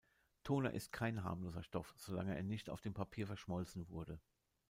Toner ist kein harmloser Stoff, solange er nicht auf dem Papier verschmolzen wurde.